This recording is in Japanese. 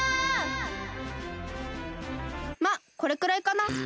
まっこれくらいかな。